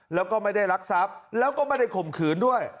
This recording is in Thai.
แล้วก็ไม่ได้รักทรัพย์แล้วก็ไม่ได้ข่มขืนด้วย